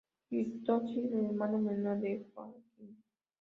Hitoshi el hermano menor de Hajime.